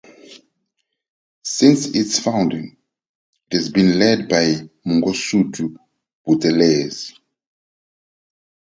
Since its founding, it has been led by Mangosuthu Buthelezi.